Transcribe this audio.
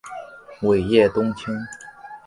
尾叶冬青